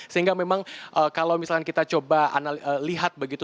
sehingga memang kalau misalnya kita coba lihat begitu